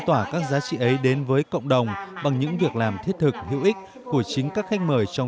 do gia đình em có hoàn cảnh khó khăn